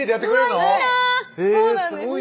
はいそうなんです